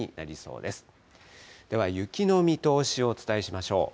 では雪の見通しをお伝えしましょう。